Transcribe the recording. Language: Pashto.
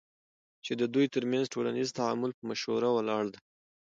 چی ددوی ترمنځ ټولنیز تعامل په مشوره ولاړ دی،